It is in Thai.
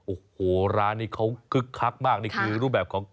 โอ้โหร้านนี้เขาคึกคักมากนี่คือรูปแบบของ